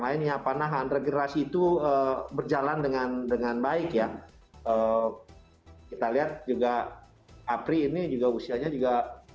lainnya panahan regerasi itu berjalan dengan dengan baik ya kita lihat juga apri ini juga usianya juga